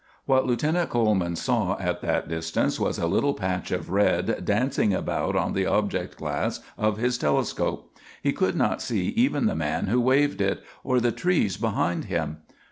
What Lieutenant Coleman saw at that distance was a little patch of red dancing about on the object glass of his telescope; he could not see even the man who waved it, or the trees behind him.